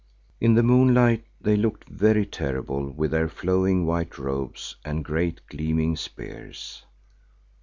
In the moonlight they looked very terrible with their flowing white robes and great gleaming spears.